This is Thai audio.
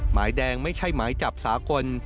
หมายแดงไม่ใช่หมายจับสากล